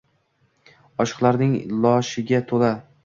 oshiqlarning loshiga toʼla